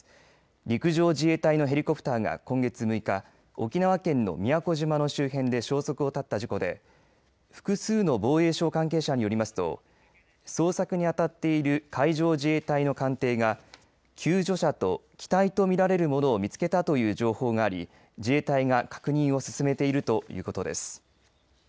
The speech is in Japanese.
陸上自衛隊のヘリコプターが今月６日沖縄県の宮古島の周辺で消息を絶った事故で複数の防衛省関係者によりますと捜索に当たっている海上自衛隊の艦艇が救助者と、機体と見られるものを見つけたという情報があり自衛隊が確認を進めているということです。